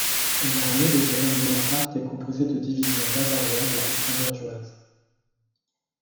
L'armée de Jérôme Bonaparte est composée de divisions bavaroises et wurtembergeoises.